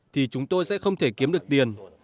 thì chúng tôi sẽ không thể kiếm được tiền